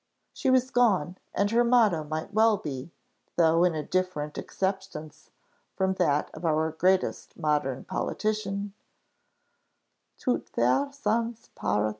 She was gone, and her motto might well be, though in a different acceptation from that of our greatest modern politician "_Tout faire sans paraître.